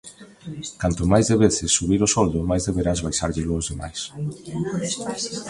Canto máis deveces subir o soldo, máis deberás baixárllelo aos demais.